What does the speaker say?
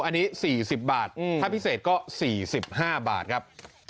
อันนี้สี่สิบบาทอืมถ้าพิเศษก็สี่สิบห้าบาทครับ